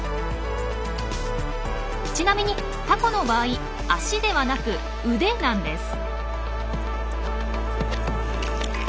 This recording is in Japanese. ちなみにタコの場合脚ではなく腕なんです。